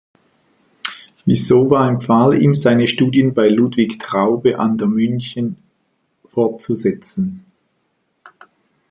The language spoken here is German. Wissowa empfahl ihm, seine Studien bei Ludwig Traube an der München fortzusetzen.